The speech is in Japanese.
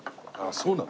そうなの？